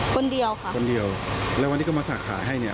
คนเดียวค่ะคนเดียวแล้ววันนี้ก็มาสั่งขายให้เนี่ย